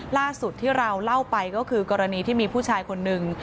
ล่าสุดที่เราเล่าไปก็คือกรณีที่มีผู้ชายคนหนึ่ง